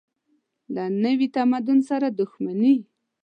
له نوي تمدن سره دښمني.